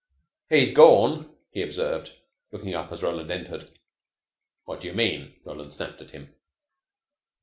"He's gorn," he observed, looking up as Roland entered. "What do you mean?" Roland snapped at him.